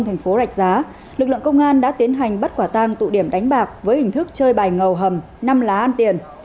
tp rạch giá lực lượng công an đã tiến hành bắt quả tăng tụ điểm đánh bạc với hình thức chơi bài ngầu hầm năm lá ăn tiền